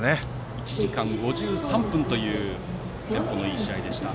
１時間５３分というテンポのいい試合でした。